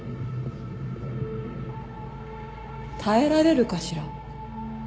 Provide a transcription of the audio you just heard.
耐えられるかしら？